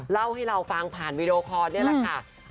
เล่าให้เราฟังผ่านวีดีโอคอร์นี่แหละค่ะ